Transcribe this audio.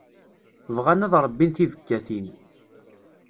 Bɣan ad ṛebbin tibekkatin.